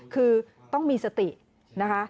คือต้องมีสตินะคะ